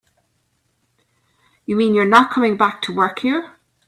You mean you're not coming back to work here?